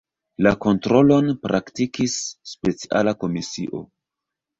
La kontrolon praktikis speciala komisio.